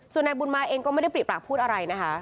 ส่วนนายบุญมาเองก็ไม่ได้ปริปากพูดอะไรนะคะ